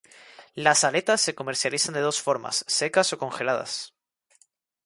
Las aletas se comercializan de dos formas: secas o congeladas.